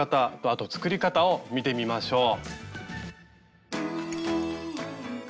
あと作り方を見てみましょう。